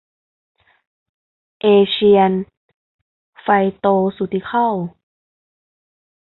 เอเชียน ไฟย์โตซูติคอลส์